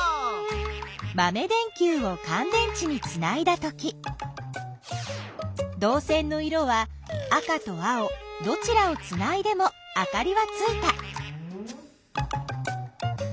まめ電きゅうをかん電池につないだときどう線の色は赤と青どちらをつないでもあかりはついた。